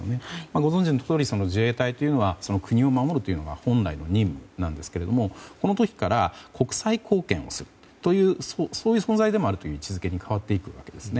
ご存じのとおり自衛隊というのは国を守るというのが本来の任務なんですけどもこの時から国際貢献をするというそういう存在でもあるという位置づけに変わっていくんですね。